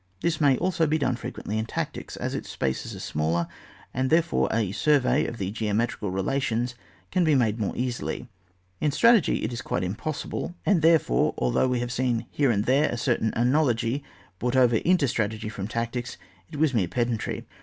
This may also be done frequently in tactics, as its spaces are smaller, and therefore a survey of the geometrical relations can be more easily taken. In strategy it is quite impossible, and therefore although we have seen here and there a certain analogy brought over into strategy from tactics, it was mere pedantry.